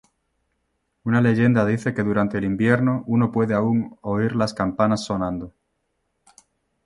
Una leyenda dice que durante el invierno uno puede aún oír las campanas sonando.